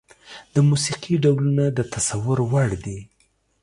د موسيقي ډولونه د تصور وړ دي.